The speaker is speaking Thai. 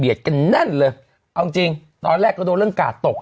เบียดกันแน่นเลยเอาจริงตอนแรกก็โดนเรื่องกาศตก